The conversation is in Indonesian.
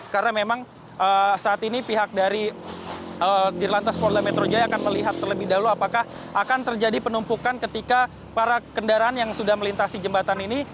karena memang saat ini pihak dari dirlantas pola metro jaya akan melihat terlebih dahulu apakah akan terjadi penumpukan ketika para kendaraan yang sudah melintasi jembatan ini